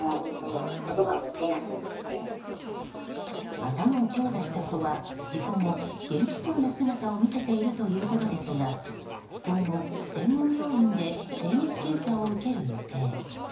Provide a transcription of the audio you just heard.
頭を強打した子は事故後元気そうな姿を見せているということですが今後、専門病院で精密検査を受ける予定。